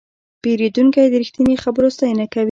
پیرودونکی د رښتیني خبرو ستاینه کوي.